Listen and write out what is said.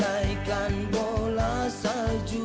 bagaikan bola saju